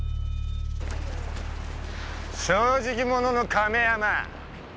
正直者の亀山ァ！